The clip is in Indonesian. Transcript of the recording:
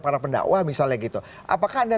para pendakwah misalnya gitu apakah anda